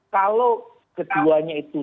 kalau keduanya itu